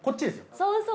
そうそう。